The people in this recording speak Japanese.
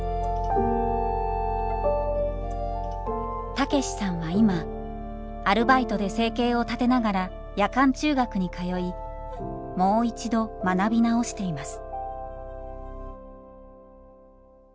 たけしさんは今アルバイトで生計を立てながら夜間中学に通いもう一度学び直しています。